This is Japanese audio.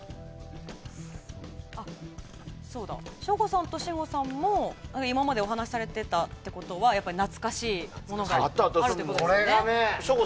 省吾さんと信五さんも今までお話しされていたものはやっぱり懐かしいものがあるってことですね。